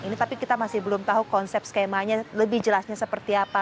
ini tapi kita masih belum tahu konsep skemanya lebih jelasnya seperti apa